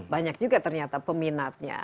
banyak juga ternyata peminatnya